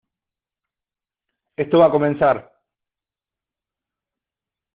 esto va a comenzar.